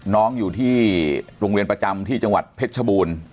น้องอยู่ที่โรงเรียนประจำที่จังหวัดเพชรชบูรณ์